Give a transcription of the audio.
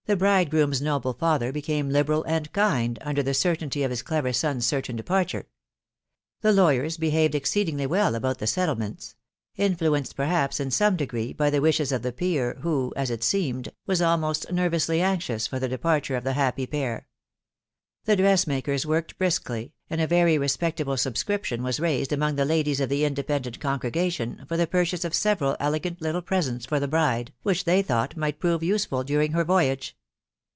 bridegroom's noble father became liberal and kind*, under the certainty of M» clever sor/s certain de parture .... The lawyers behaved exceedingly well about the settlements ; hvBueneed>, perhapa> in seme degree,, by the wishes of the peer, who, as it seemed, was almost nervously anxious for tfre efepartOTe ef the happy pair. ,.* Tbedreswnakers wosked briskly, and & very respectable subscription was raised among the ladies ef the independent ceiigregatkni for the purchase of several elegant lrttie presents for the bride^ which they thought might prove useful during her voyage.